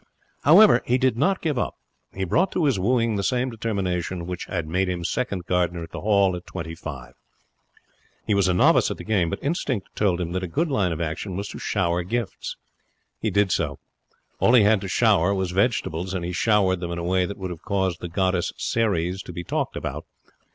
However, he did not give up. He brought to his wooing the same determination which had made him second gardener at the Hall at twenty five. He was a novice at the game, but instinct told him that a good line of action was to shower gifts. He did so. All he had to shower was vegetables, and he showered them in a way that would have caused the goddess Ceres to be talked about.